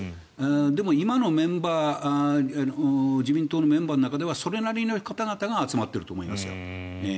でも、今のメンバー自民党のメンバーの中ではそれなりの方々が集まっていると思いますよ。